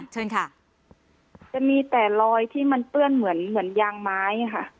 เชิญค่ะจะมีแต่รอยที่มันเปื้อนเหมือนเหมือนยางไม้ค่ะ